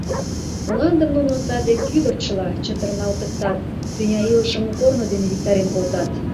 Мландым нуно саде кӱдырчыла чытырналтыктат, тӱня илышым у корно дене виктарен колтат...